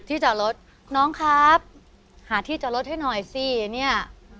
จอดรถน้องครับหาที่จอดรถให้หน่อยสิเนี่ย